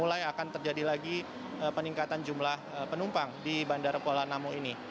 mulai akan terjadi lagi peningkatan jumlah penumpang di bandara kuala namu ini